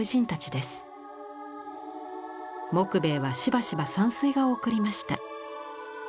木米はしばしば山水画を贈りました。